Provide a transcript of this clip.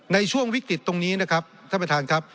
ในช่วงวิกฤตตรงนี้นะครับท่านประธานครับ